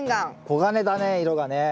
黄金だね色がね。